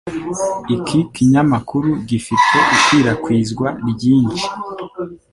Iki kinyamakuru gifite ikwirakwizwa ryinshi